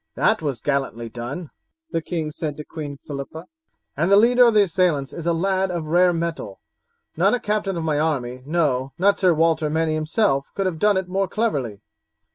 "That was gallantly done," the king said to Queen Philippa, "and the leader of the assailants is a lad of rare mettle. Not a captain of my army, no, not Sir Walter Manny himself, could have done it more cleverly.